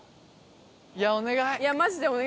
いやお願い。